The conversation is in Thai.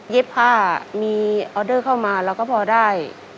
ยิ้บผ้ามีเพลิกที่ออลเดอร์มาเราก็พอได้